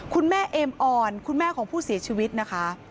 เอมอ่อนคุณแม่ของผู้เสียชีวิตนะคะ